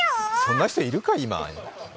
そんな人いるかい、今？